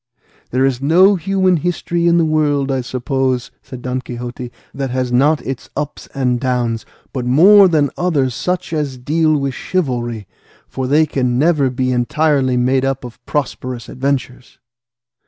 "There is no human history in the world, I suppose," said Don Quixote, "that has not its ups and downs, but more than others such as deal with chivalry, for they can never be entirely made up of prosperous adventures."